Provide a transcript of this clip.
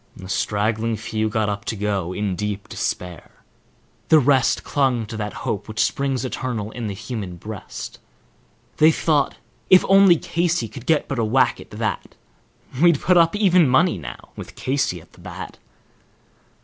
A straggling few got up to go, in deep despair. The rest Clung to that hope which "springs eternal in the human breast;" They thought, If only Casey could but get a whack at that, We'd put up even money now, with Casey at the bat.